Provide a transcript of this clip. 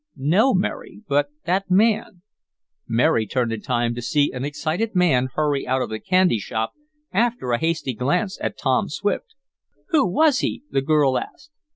"No, Mary. But that man " Mary turned in time to see an excited man hurry out of the candy shop after a hasty glance at Tom Swift. "Who was he?" the girl asked.